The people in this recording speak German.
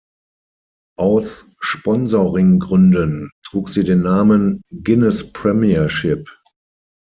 Aus Sponsoringgründen trug sie den Namen "Guinness Premiership".